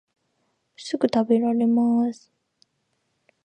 すぐたべられます